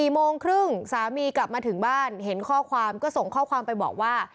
โมงครึ่งสามีกลับมาถึงบ้านเห็นข้อความก็ส่งข้อความไปบอกว่า